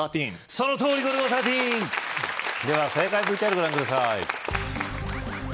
そのとおりゴルゴ１３では正解ＶＴＲご覧ください